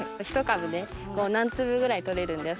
１株で何粒ぐらい採れるんですか？